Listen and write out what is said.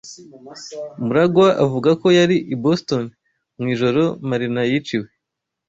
MuragwA avuga ko yari i Boston mu ijoro Marina yiciwe.